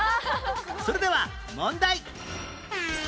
それでは問題